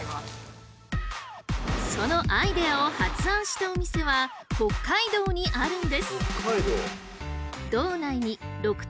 そのアイデアを発案したお店は北海道にあるんです！